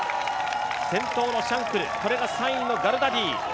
先頭のシャンクル、これが３位のガルダディ。